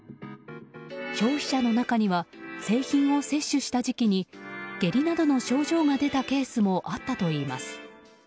消費者の中には製品を摂取した時期に下痢などの症状が出たケースもあったといいます。